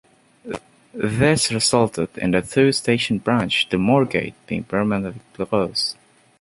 This resulted in the two-station branch to Moorgate being permanently closed.